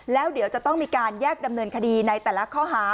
แล้วเดี๋ยวจะต้องมีการแยกดำเนินคดีในแต่ละข้อหา